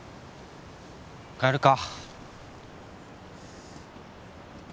帰るか